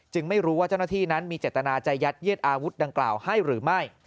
ไม่รู้ว่าเจ้าหน้าที่นั้นมีเจตนาจะยัดเย็ดอาวุธดังกล่าวให้หรือไม่